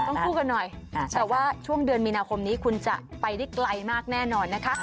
คู่กันหน่อยแต่ว่าช่วงเดือนมีนาคมนี้คุณจะไปได้ไกลมากแน่นอนนะคะ